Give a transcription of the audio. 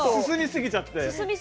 進みすぎちゃって。